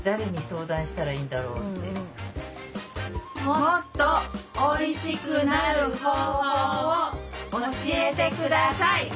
もっとおいしくなる方法を教えて下さい。